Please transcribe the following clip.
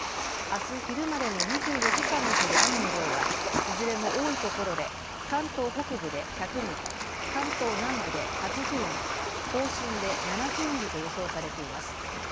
あす昼までの２４時間に降る雨の量はいずれも多いところで関東北部で１００ミリ、関東南部で８０ミリ、甲信で７０ミリと予想されています。